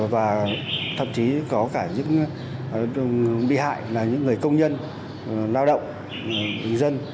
và thậm chí có cả những bị hại là những người công nhân lao động dân